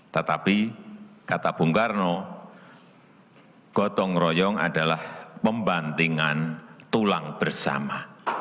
tetapi kata bung karno gotong royong adalah pembantingan tulang bersama